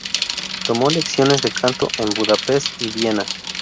Tomó lecciones de canto en Budapest y Viena.